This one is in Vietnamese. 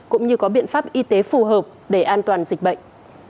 cũng như có biện pháp y tế phù hợp để an toàn dịch bệnh